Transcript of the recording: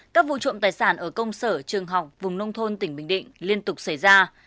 các vụ trộm tài sản ở công sở trường học vùng nông thôn tỉnh bình định liên tục xảy ra